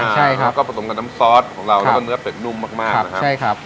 ใช่ครับแล้วก็ผสมกับน้ำซอสของเราแล้วก็เนื้อเป็ดนุ่มมากมากนะครับใช่ครับ